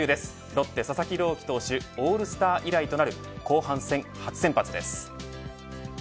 ロッテ佐々木朗希投手オールスター以来となる後半戦、初先発です。